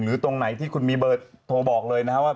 หรือตรงไหนที่คุณมีเบิร์ตโทรบอกเลยว่า